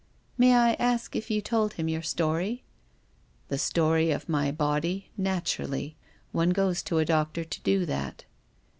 " May I ask if you told him your story ?" "The story of my body — naturally. One goes to a doctor to do that."